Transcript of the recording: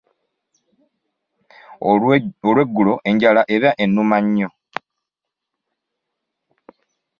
Olwegulo enjala eba ebaluma nnyo.